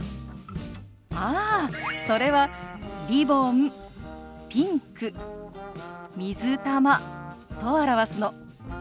ああそれは「リボン」「ピンク」「水玉」と表すの。